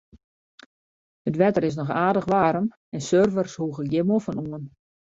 It wetter is noch aardich waarm en surfers hoege gjin moffen oan.